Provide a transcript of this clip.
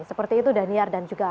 seperti itu daniar dan juga